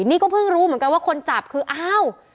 นี่ก็เพิ่งรู้เหมือนกันว่าคนจับคืออ้าว